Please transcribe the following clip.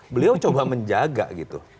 beliau coba menjaga gitu